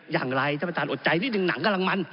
อย่างไรท่านประธานอดใจนิดนึงหนังกำลังมัน